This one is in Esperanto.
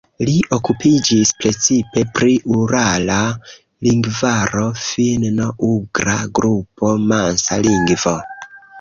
Li okupiĝis precipe pri Urala lingvaro, Finno-Ugra Grupo, Mansa lingvo.